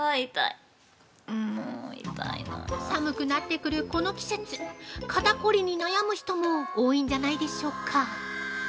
寒くなってくるこの季節、肩こりに悩む人も多いんじゃないでしょうか？